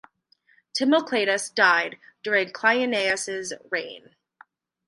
Timocleidas died during Cleinias's reign.